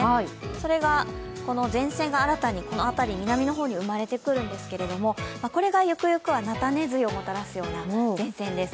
それが前線が新たに南の方に生まれてくるんですけれども、これがゆくゆくは菜種梅雨をもたらすような前線です。